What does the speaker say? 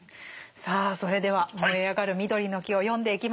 さあそれでは「燃えあがる緑の木」を読んでいきましょう。